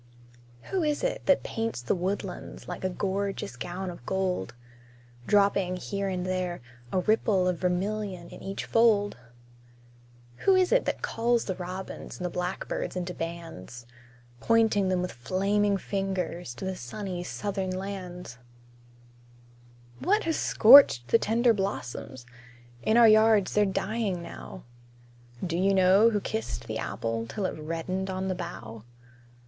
Who is it that paints the woodlands Like a gorgeous gown of gold; Dropping, here and there, a ripple Of vermilion in each fold? Who is it that calls the robins And the blackbirds into bands; Pointing them with flaming fingers, To the sunny, Southern lands? What has scorched the tender blossoms? In our yards they're dying now. Do you know who kissed the apple Till it reddened on the bough?